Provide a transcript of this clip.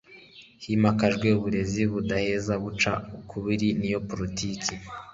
himakajwe uburezi budaheza buca ukubiri n'iyo politiki